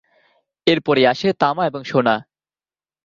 এর পরেই আসে তামা এবং সোনা।